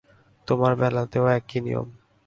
তোর বেলাতেও একই নিয়ম।